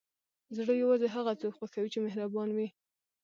زړه یوازې هغه څوک خوښوي چې مهربان وي.